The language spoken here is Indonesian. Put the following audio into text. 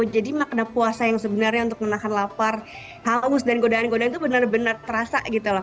jadi makna puasa yang sebenarnya untuk menahan lapar haus dan godaan godaan itu benar benar terasa gitu loh